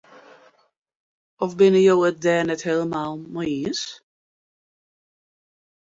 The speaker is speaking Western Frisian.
Of binne jo it dêr net hielendal mei iens?